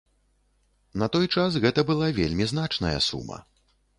На той час гэта была вельмі значная сума.